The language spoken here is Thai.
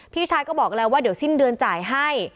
พี่ชายก็บอกแล้วว่าเดี๋ยวสิ้นเดือนจ่ายให้